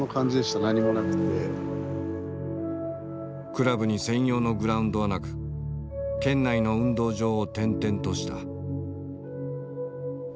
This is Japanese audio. クラブに専用のグラウンドはなく県内の運動場を転々とした。